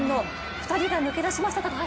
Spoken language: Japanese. ２人が抜け出しました。